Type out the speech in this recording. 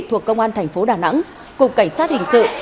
thuộc công an thành phố đà nẵng cục cảnh sát hình sự